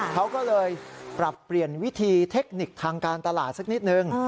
เขาก็เลยปรับเปลี่ยนวิธีเทคนิคทางการตลาดสักนิดนึง